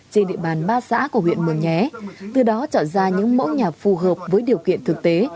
trên địa bàn ba xã của huyện mường nhé từ đó chọn ra những mẫu nhà phù hợp với điều kiện thực tế